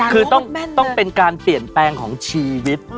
คือต้องเป็นการเปลี่ยนแปลงของชีวิต